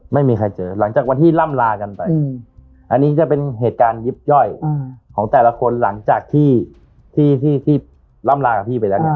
ไม่มีใครเจอหลังจากวันที่ล่ำลากันไปอันนี้จะเป็นเหตุการณ์ยิบย่อยของแต่ละคนหลังจากที่ที่ล่ำลากับพี่ไปแล้วเนี่ย